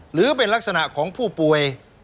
หรือเป็นลักษณะของผู้ป่วย